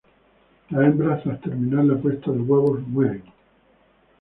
Las hembras tras terminar la puesta de huevos mueren.